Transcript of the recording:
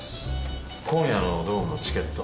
今夜のドームのチケット。